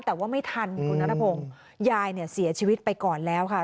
แต่ว่าไม่ทันคุณนัทพงศ์ยายเนี่ยเสียชีวิตไปก่อนแล้วค่ะ